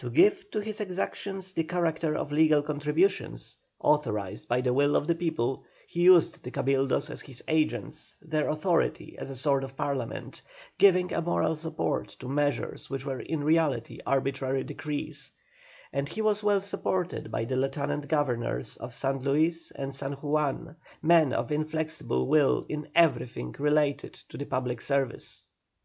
To give to his exactions the character of legal contributions, authorized by the will of the people, he used the Cabildos as his agents, their authority, as a sort of Parliament, giving a moral support to measures which were in reality arbitrary decrees; and he was well supported by the Lieutenant Governors of San Luis and San Juan, men of inflexible will in everything relating to the public service.